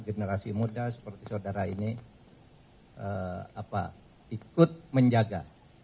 generasi muda seperti saudara ini ikut menjaga